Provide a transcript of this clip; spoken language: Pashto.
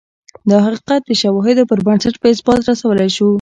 دا حقیقت د شواهدو پر بنسټ په اثبات رسولای شو